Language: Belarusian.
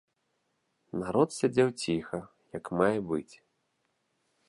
Народ сядзеў ціха, як мае быць.